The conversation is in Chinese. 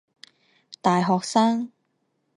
大学生